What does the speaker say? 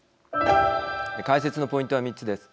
解説のポイントは３つです。